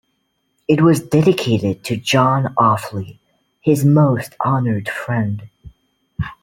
It was dedicated to John Offley, his most honoured friend.